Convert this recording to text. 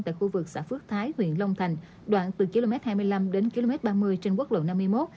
tại khu vực xã phước thái huyện long thành đoạn từ km hai mươi năm đến km ba mươi trên quốc lộ năm mươi một